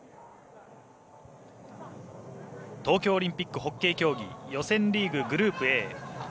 東京オリンピックホッケー競技予選リーググループＡ